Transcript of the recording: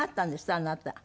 あなた。